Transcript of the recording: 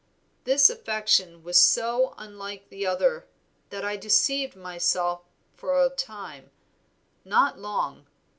This affection was so unlike the other that I deceived myself for a time not long.